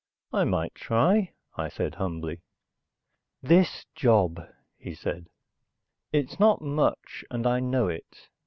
"I might try," I said humbly. "This job," he said. "It's not much, and I know it.